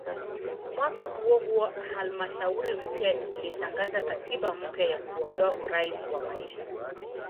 Mwaka huohuo halmashauri mpya ilitangaza katiba mpya na kuondoa "urais wa maisha".